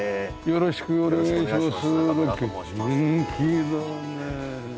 よろしくお願いします。